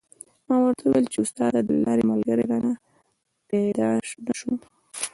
ما ورته و ویل چې استاده د لارې ملګری رانه پیدا نه شو.